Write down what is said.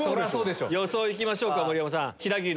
予想いきましょうか盛山さん。